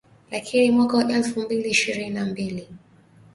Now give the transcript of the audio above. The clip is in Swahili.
Lakini mwaka elfu mbili ishirini na mbili